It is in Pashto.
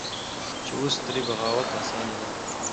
چې اوس ترې بغاوت اسانه نه دى.